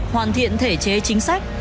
hoàn thiện thể chế chính sách